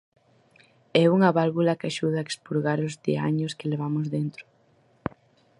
É unha válvula que axuda a expurgar os diaños que levamos dentro